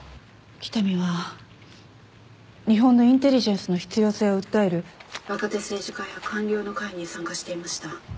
北見は日本のインテリジェンスの必要性を訴える若手政治家や官僚の会に参加していました。